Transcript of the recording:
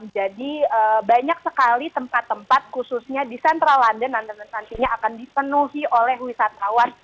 jadi banyak sekali tempat tempat khususnya di central london nanti akan dipenuhi oleh wisatawan